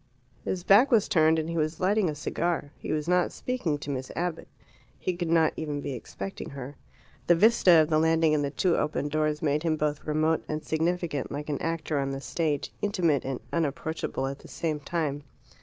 His back was turned, and he was lighting a cigar. He was not speaking to Miss Abbott. He could not even be expecting her. The vista of the landing and the two open doors made him both remote and significant, like an actor on the stage, intimate and unapproachable at the same time.